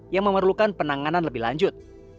yang memerlukan penanganan lebih lanjut